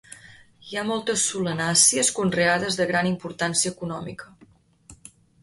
Hi ha moltes solanàcies conreades de gran importància econòmica.